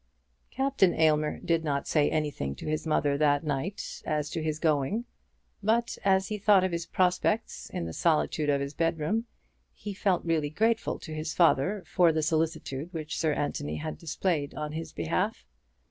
Captain Aylmer did not say anything to his mother that night as to his going, but as he thought of his prospects in the solitude of his bedroom, he felt really grateful to his father for the solicitude which Sir Anthony had displayed on his behalf.